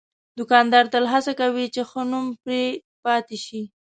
دوکاندار تل هڅه کوي چې ښه نوم پرې پاتې شي.